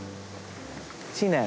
「知念。